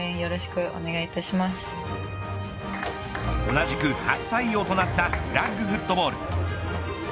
同じく初採用となったフラッグフットボール。